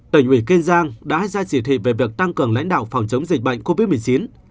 tỉnh ủy kiên giang đã ra chỉ thị về việc tăng cường lãnh đạo phòng chống dịch bệnh covid một mươi chín